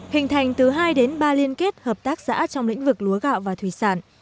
hình thành từ hai đến ba liên kết hợp tác xã trong lĩnh vực lúa gạo và thủy sản